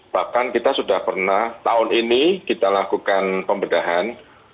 bahkan kita sudah pernah tahun ini kita lakukan pembedahan